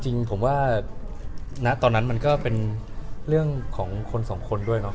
จริงผมว่าณตอนนั้นมันก็เป็นเรื่องของคนสองคนด้วยครับ